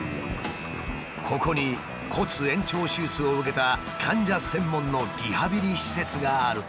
ここに骨延長手術を受けた患者専門のリハビリ施設があるという。